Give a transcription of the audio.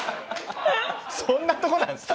そんなとこなんですか？